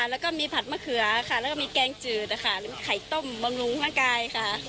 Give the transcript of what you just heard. แล้วก็มีผัดมะเขือค่ะแล้วก็มีแกงจืดนะคะหรือไข่ต้มบำรุงร่างกายค่ะ